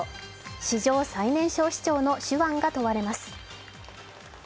史上最年少市長の手腕が問われます。